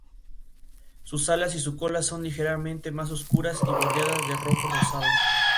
Sus alas y su cola son ligeramente más oscuras y bordeadas de rojo-rosado.